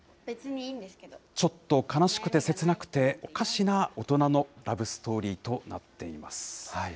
ちょっと悲しくて切なくておかしな大人のラブストーリーとなっています。